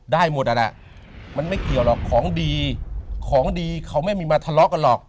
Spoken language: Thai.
ได้หมดอ่ะนะมันไม่เกี่ยวหรอกของดีของดีเขาไม่มีมาทะเลาะกันหรอก